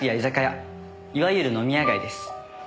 いわゆる飲み屋街です。